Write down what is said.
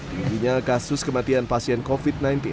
tingginya kasus kematian pasien covid sembilan belas